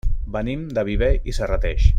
Venim de Viver i Serrateix.